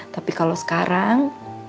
tapi kalau sekarang